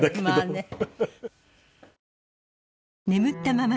まあね。